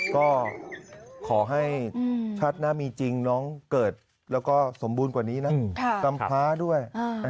ก็ขอให้ชาติหน้ามีจริงน้องเกิดแล้วก็สมบูรณ์กว่านี้นะกำพร้าด้วย